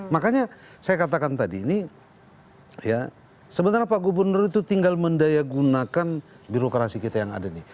makanya saya katakan tadi ini ya sebenarnya pak gubernur itu tinggal mendayagunakan birokrasi kita yang ada ini